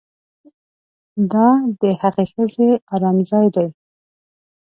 دا د هغې ښځې ارام ځای دی